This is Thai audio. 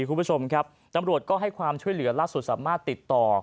คุณผู้ชมครับตำรวจก็ให้ความช่วยเหลือล่าสุดสามารถติดต่อ